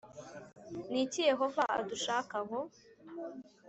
Ni iki Yehova adushakaho